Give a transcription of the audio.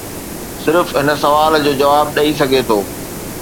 صرف هن سوال جو جواب ڏئي سگهي ٿو.